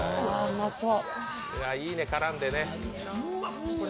いいね、絡んでね。